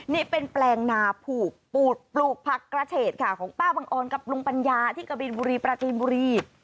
นี่เป็นแปลงนาผูกปูดปลูกผักกระเฉดค่ะของป้าบังออนกับลุงปัญญาที่กะบินบุรีปราจีนบุรี